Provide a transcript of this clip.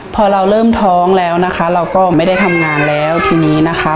พอเราเริ่มท้องแล้วนะคะเราก็ไม่ได้ทำงานแล้วทีนี้นะคะ